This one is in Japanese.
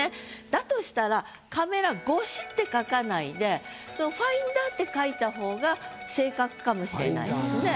だとしたら「カメラごし」って書かないで「ファインダ」って書いた方が正確かもしれないですね。